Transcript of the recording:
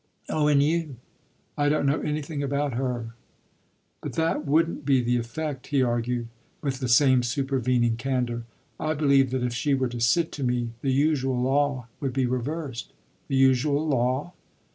"Oh in you. I don't know anything about 'her.'" "But that wouldn't be the effect," he argued with the same supervening candour. "I believe that if she were to sit to me the usual law would be reversed." "The usual law?"